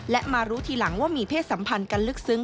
และมารู้ทีหลังว่ามีเพศสัมพันธ์กันลึกซึ้ง